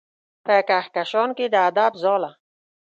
په کهکشان کې د ادب ځاله